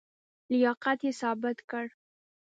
لیاقت یې ثابت کړ.